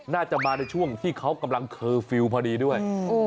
น่าจะมาในช่วงที่เขากำลังเคอร์ฟิลล์พอดีด้วย